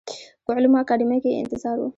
په علومو اکاډمۍ کې یې انتظار و.